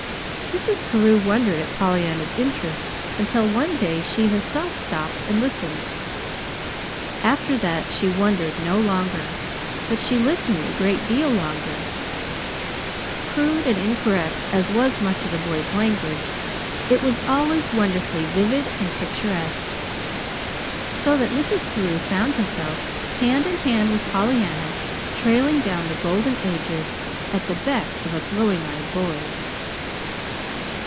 Mrs. Carew wondered at Pollyanna's interest until one day she herself stopped and listened. After that she wondered no longer but she listened a good deal longer. Crude and incorrect as was much of the boy's language, it was always wonderfully vivid and picturesque, so that Mrs. Carew found herself, hand in hand with Pollyanna, trailing down the Golden Ages at the beck of a glowing eyed boy.